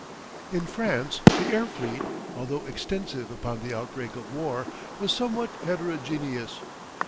In France the air fleet, although extensive upon the outbreak of war, was somewhat heterogeneous.